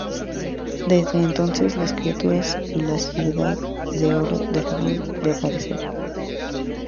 Desde entonces las criaturas y la ciudad de oro dejaron de aparecer.